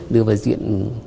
đưa vào diện